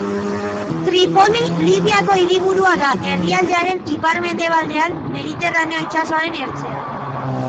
Tripoli Libiako hiriburua da, herrialdearen ipar-mendebaldean, Mediterraneo Itsasoaren ertzean.